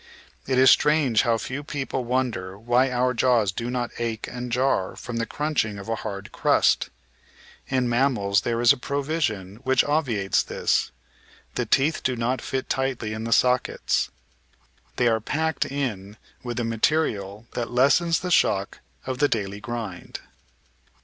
It is strange how few people wonder why our jaws do not ache and jar from the crunching of a hard crust. In mammals there is a 822 The Outline of Science provision which obviates this: the teeth do not fit tightly in the sockets. They are "packed" in with a material that lessens the shock of the daily grind.